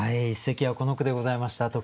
一席はこの句でございました。